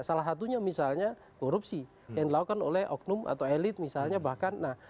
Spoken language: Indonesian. salah satunya misalnya korupsi yang dilakukan oleh oknum atau elit misalnya bahkan